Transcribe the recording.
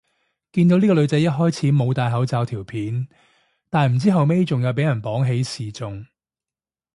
見到呢個女仔一開始冇戴口罩條片，但係唔知後尾仲有俾人綁起示眾